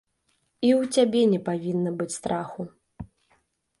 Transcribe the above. І ў цябе не павінна быць страху.